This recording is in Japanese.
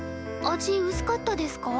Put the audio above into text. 味うすかったですか？